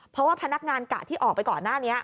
เพราะว่าพนักงานกะที่ออกไปก่อนหน้านี้